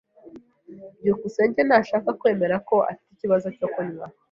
byukusenge ntashaka kwemera ko afite ikibazo cyo kunywa.